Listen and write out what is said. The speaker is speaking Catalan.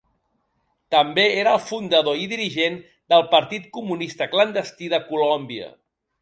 També era el fundador i dirigent del Partit Comunista Clandestí de Colòmbia.